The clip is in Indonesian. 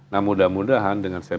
nah mudah mudahan dengan saya